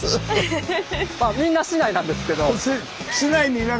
まあみんな市内なんですけど。